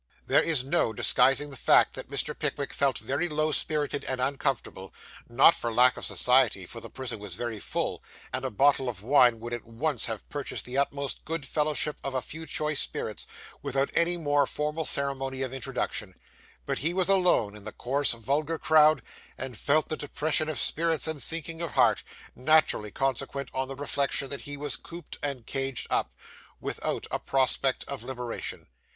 There is no disguising the fact that Mr. Pickwick felt very low spirited and uncomfortable not for lack of society, for the prison was very full, and a bottle of wine would at once have purchased the utmost good fellowship of a few choice spirits, without any more formal ceremony of introduction; but he was alone in the coarse, vulgar crowd, and felt the depression of spirits and sinking of heart, naturally consequent on the reflection that he was cooped and caged up, without a prospect of liberation.